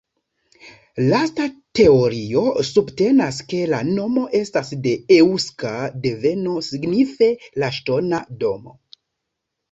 Lasta teorio subtenas ke la nomo estas de eŭska deveno, signife "la ŝtona domo".